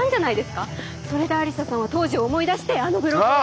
それで愛理沙さんは当時を思い出してあのブログを。